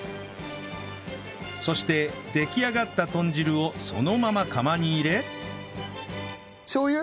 そして出来上がった豚汁をそのまま釜に入れしょう油？